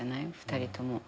２人とも。